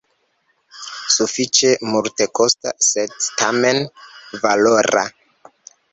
Sufiĉe multekosta sed tamen valora.